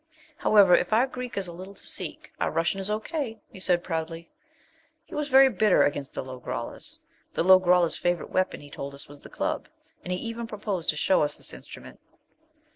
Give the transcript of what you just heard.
'However, if our Greek is a little to seek, our Russian is O.K.,' he said proudly. He was very bitter against the Lo grollas. The Lo grollas' favourite weapon, he told us, was the club, and he even proposed to show us this instrument.